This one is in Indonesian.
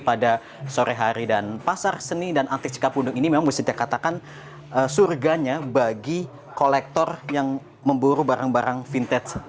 pada sore hari dan pasar seni dan anti cikapundung ini memang bisa dikatakan surganya bagi kolektor yang memburu barang barang vintage